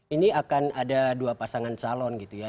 ini akan ada dua pasangan calon gitu ya